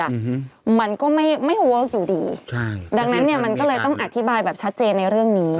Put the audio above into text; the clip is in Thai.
อืมมันก็ไม่ไม่เวิร์คอยู่ดีใช่ดังนั้นเนี้ยมันก็เลยต้องอธิบายแบบชัดเจนในเรื่องนี้